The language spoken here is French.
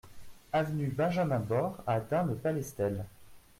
Avenue Benjamin Bord à Dun-le-Palestel